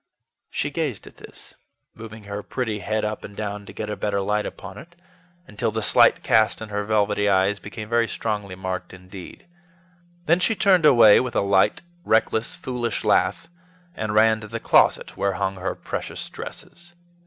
She gazed at this, moving her pretty head up and down to get a better light upon it, until the slight cast in her velvety eyes became very strongly marked indeed. Then she turned away with a light, reckless, foolish laugh, and ran to the closet where hung her precious dresses.